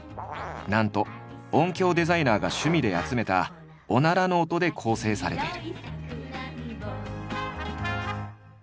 なんと音響デザイナーが趣味で集めた「おなら」の音で構成されている。